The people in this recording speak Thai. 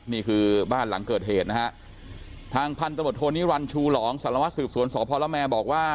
นี่คือบ้านหลังเกิดเหตุนะฮะทางพันธบทโทนิรันดิชูหลองสารวัสสืบสวนสพละแมบอกว่า